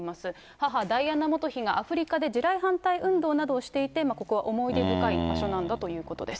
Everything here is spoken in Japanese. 母、ダイアナ元妃がアフリカで地雷反対運動などをしていて、ここは思い出深い場所なんだということです。